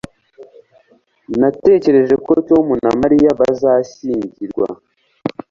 natekereje ko tom na mariya bazashyingirwa